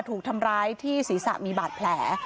ถูกทำร้ายที่ศีรษะมีบาดแผล